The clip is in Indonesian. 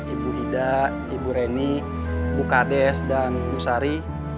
ibu hida ibu reni ibu kades dan ibu sari